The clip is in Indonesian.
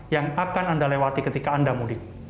yang akan anda lewati ketika anda mudik